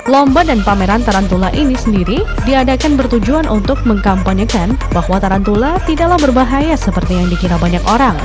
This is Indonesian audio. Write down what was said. lomba dan pameran tarantula ini sendiri diadakan bertujuan untuk mengkampanyekan bahwa tarantula tidaklah berbahaya seperti yang dikira banyak orang